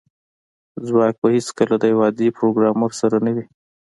ځواک به هیڅکله د یو عادي پروګرامر سره نه وي